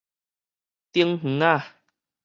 頂園仔